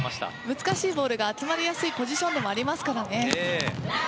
難しいボールが集まりやすいポジションでもありますからね。